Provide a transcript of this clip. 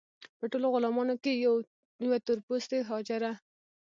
په ټولو غلامانو کې یوه تور پوستې حاجره.